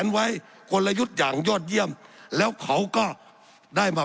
สับขาหลอกกันไปสับขาหลอกกันไป